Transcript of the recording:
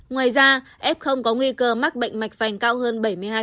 ngoài ra f có nguy cơ mắc bệnh mạch vành cao hơn bảy mươi hai